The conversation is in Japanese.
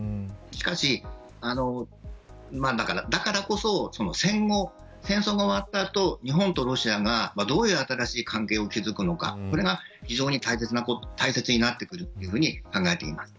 しかし、だからこそ戦後戦争が終わった後日本とロシアがどういう新しい関係を築くのかこれが非常に大切になってくると考えています。